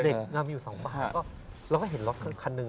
เด็กมีดังอยู่สองบาทแล้วก็แบ่งเห็นรถคันนึง